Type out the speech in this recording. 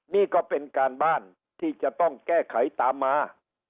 นี่ก็เป็นการบ้านที่จะต้องแก้ไขตามมา